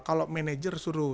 kalau manager suruh